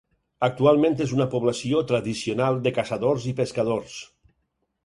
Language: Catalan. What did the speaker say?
Actualment és una població tradicional de caçadors i pescadors.